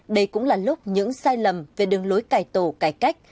đây cũng là lúc những sai lầm về đường lối cải tổ cải cách